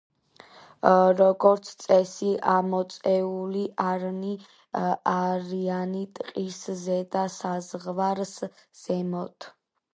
როგორც წესი, ამოწეული არიან ტყის ზედა საზღვრის ზემოთ.